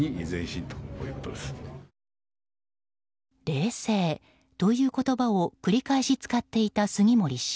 「冷静」という言葉を繰り返し使っていた杉森氏。